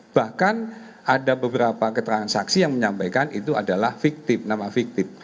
bahkan ada beberapa keterangan saksi yang menyampaikan itu adalah fiktif nama fiktif